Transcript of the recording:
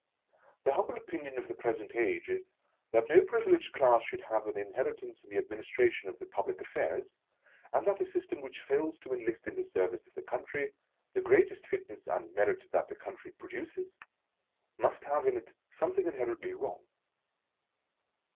The humble opinion of the present age, is, that no privileged class should have an in heritance in the administration of the public affairs, and that a system which fails to enlist in the service of the country, the greatest fitness and merit that the country produces, must have in it something inhe rently wrong.